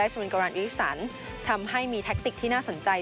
เป็นการวิสันทำให้มีแทคติกที่น่าสนใจ